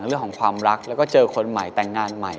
เรื่องของความรักแล้วก็เจอคนใหม่แต่งงานใหม่